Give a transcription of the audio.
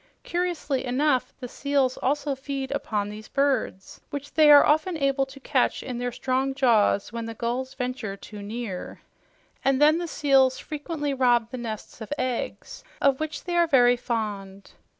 "Curiously enough, the seals also feed upon these birds, which they are often able to catch in their strong jaws when the gulls venture too near. And then, the seals frequently rob the nests of eggs, of which they are very fond."